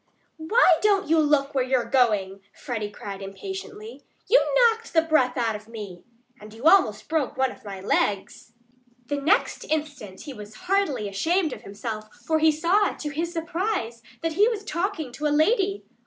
"Why don't you look where you're going?" Freddie cried impatiently. "You knocked the breath out of me. And you almost broke one of my legs." The next instant he was heartily ashamed of himself; for he saw, to his surprise, that he was talking to a lady.